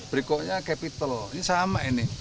berikutnya capital ini sama ini